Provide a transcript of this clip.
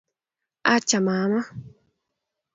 Acha mama